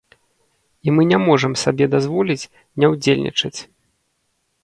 І мы не можам сабе дазволіць не ўдзельнічаць.